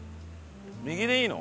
右でいいの？